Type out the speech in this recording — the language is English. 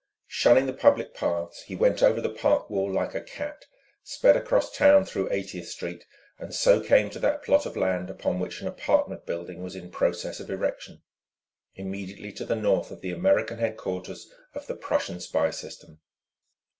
Shunning the public paths he went over the park wall like a cat, sped across town through Eightieth Street, and so came to that plot of land upon which an apartment building was in process of erection, immediately to the north of the American headquarters of the Prussian spy system.